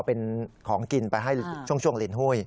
เป็นของกินไปให้ช่วงลินหุ้ย